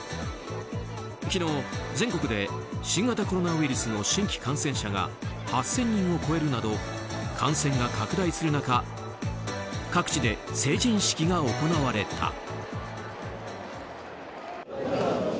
昨日、全国で新型コロナウイルスの新規感染者が８０００人を超えるなど感染が拡大する中各地で成人式が行われた。